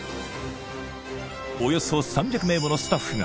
およそ３００名ものスタッフが